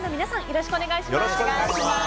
よろしくお願いします。